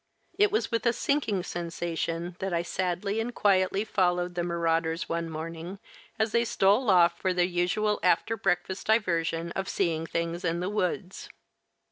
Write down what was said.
It was with a sinking sensation that I sadly and quietly followed the marauders one morning as they stole off for their usual "after breakfast" diversion of seeing things in the woods.